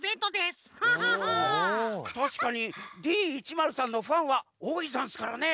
たしかにＤ１０３のファンはおおいざんすからね。